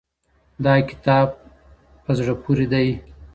دا کتاب زړه پورې دی